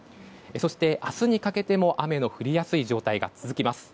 そして、明日にかけても雨の降りやすい状態が続きます。